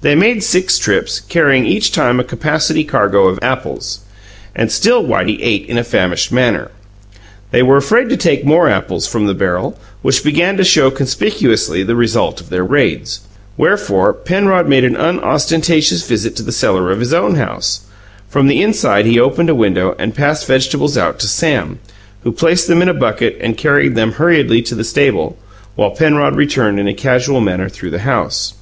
They made six trips, carrying each time a capacity cargo of apples, and still Whitey ate in a famished manner. They were afraid to take more apples from the barrel, which began to show conspicuously the result of their raids, wherefore Penrod made an unostentatious visit to the cellar of his own house. From the inside he opened a window and passed vegetables out to Sam, who placed them in a bucket and carried them hurriedly to the stable, while Penrod returned in a casual manner through the house.